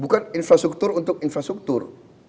bukan infrastruktur untuk infrastruktur